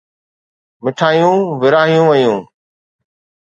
مٺايون ورهايون ويون.